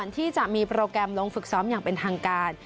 ที่จะมีโปรแกรมลงฝึกซ้อมอย่างเป็นทางการ